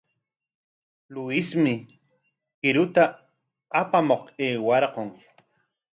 Luismi qiruta apamuq aywarqun.